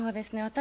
私